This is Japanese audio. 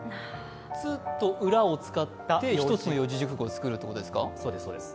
つとうらを使った１つの四字熟語を作るということですか？